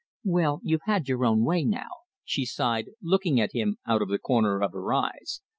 "Well, you've had your own way now," she sighed, looking at him out of the corner of her eyes.